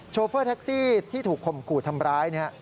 โฟเฟอร์แท็กซี่ที่ถูกข่มขู่ทำร้าย